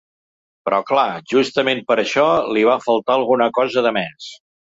Però clar, justament per això li va faltar alguna cosa de més.